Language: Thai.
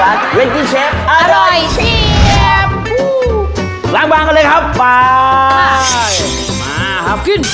รักเว็กกี้เชฟอร่อยเชฟล้างบานกันเลยครับไปมาครับกิน